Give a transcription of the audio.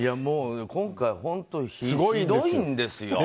今回、本当ひどいんですよ。